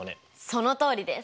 そのとおりです！